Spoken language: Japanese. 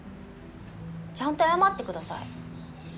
ちゃんと謝ってください。